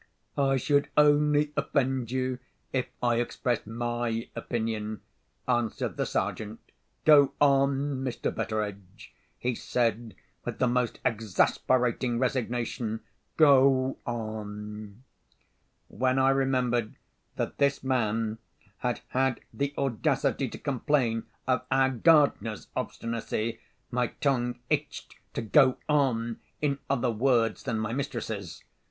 "I should only offend you if I expressed my opinion," answered the Sergeant. "Go on, Mr. Betteredge," he said, with the most exasperating resignation, "go on." When I remembered that this man had had the audacity to complain of our gardener's obstinacy, my tongue itched to "go on" in other words than my mistress's.